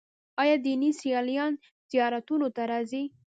آیا دیني سیلانیان زیارتونو ته راځي؟